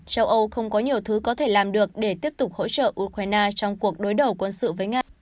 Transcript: châu âu không có nhiều thứ có thể làm được để tiếp tục hỗ trợ ukraine trong cuộc đối đầu quân sự với nga